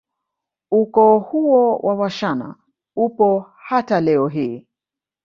Ukoo huo wa washana upo hata leo hii